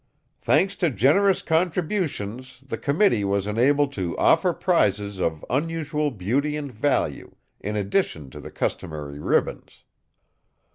"Thanks to generous contributions, the committee was enabled to offer prizes of unusual beauty and value, in addition to the customary ribbons."